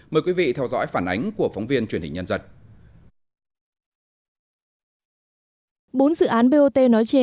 mời quý vị theo dõi phản ánh của phóng viên truyền hình nhân dân